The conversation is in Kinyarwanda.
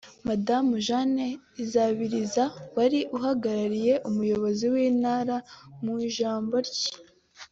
Madamu Jeanne Izabiriza wari uhagarariye umuyobozi w’intara mu ijambo rye